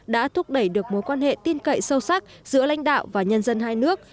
đã thúc đẩy được mối quan hệ tin cậy sâu sắc giữa lãnh đạo và nhân dân hai nước